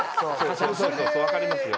そうそう分かりますよ。